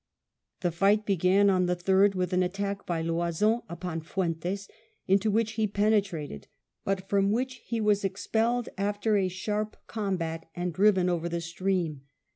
The fight began on the 3rd with an attack by Loison upon Fuentes, into which he penetrated, but from which he was expelled after a sharp combat and driven over the stream.